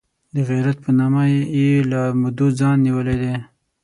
د غیرت په نامه یې له مودو ځان نیولی دی.